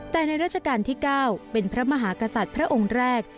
แต่ในราชการที่๙เป็นพระมหากษัตริย์พระองค์แรก